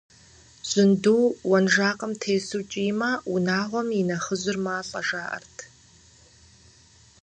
Жьынду уэнжакъым тесу кӀиймэ, унагъуэм и нэхъыжьыр малӀэ, жаӀэрт.